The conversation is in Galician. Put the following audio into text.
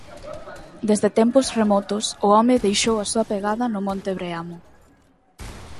Desde tempos remotos o home deixou a súa pegada no monte Breamo.